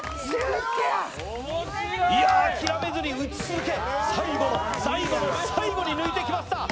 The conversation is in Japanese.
諦めずに打ち続け、最後の最後の最後に抜いてきました。